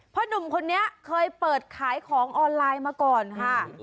หนุ่มคนนี้เคยเปิดขายของออนไลน์มาก่อนค่ะ